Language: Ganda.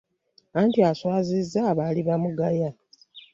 Ani aswazizza abaali bamugaya.